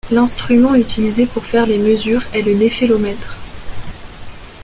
L'instrument utilisé pour faire les mesures est le néphélomètre.